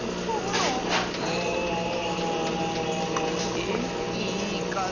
えっ⁉いいかぜ！